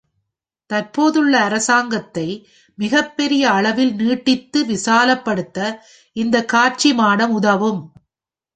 தற்போதுள்ள அரங்கத்தை மிகப்பெரிய அளவில் நீட்டித்து விசாலப்படுத்த இந்த காட்சிமாடம் உதவும்.